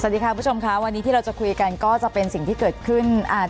สวัสดีค่ะคุณผู้ชมค่ะวันนี้ที่เราจะคุยกันก็จะเป็นสิ่งที่เกิดขึ้นอ่า